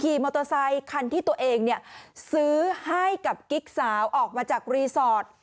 มอเตอร์ไซคันที่ตัวเองเนี่ยซื้อให้กับกิ๊กสาวออกมาจากรีสอร์ท